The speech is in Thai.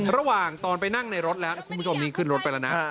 ระหว่างตอนไปนั่งในรถแล้วคุณผู้ชมนี้ขึ้นรถไปแล้วนะ